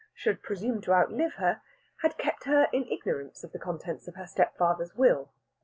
should presume to outlive her, had kept her in ignorance of the contents of her stepfather's will.